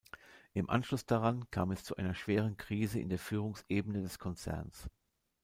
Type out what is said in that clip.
Im Anschluss daran kam es zu einer schweren Krise in der Führungsebene des Konzerns.